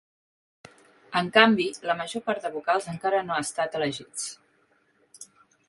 En canvi, la major part de vocals encara no ha estat elegits.